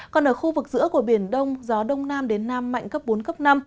còn ở khu vực giữa của biển đông gió đông nam đến nam mạnh cấp bốn cấp năm